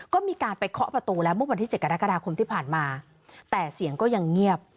ก็มีการไปเคาะประตูแล้วเมื่อวันที่๗กรกฎาคมที่ผ่านมาแต่เสียงก็ยังเงียบ